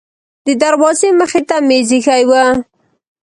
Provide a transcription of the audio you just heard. د دروازې مخې ته میز ایښی و.